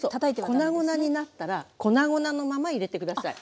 粉々になったら粉々のまま入れて下さい。